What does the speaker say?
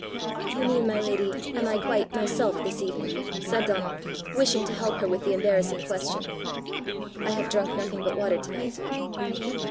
"You mean, my lady am I quite myself this evening!" said Donal, wishing to help her with the embarrassing question: " I have drunk nothing but water to night."